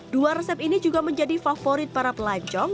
dua resep ini juga menjadi favorit para pelancong